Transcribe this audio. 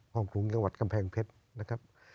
คองขูงกลัวเก็บแผงเพชรนะครับ